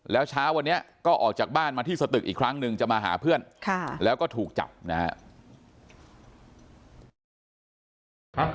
แล้วเช้าวันนี้ก็ออกจากบ้านมาที่สตึกอีกครั้งหนึ่งจะมาหาเพื่อนแล้วก็ถูกจับนะครับ